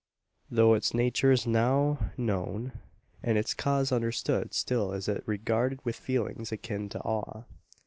Though its nature is now known, and its cause understood still is it regarded with feelings akin to awe.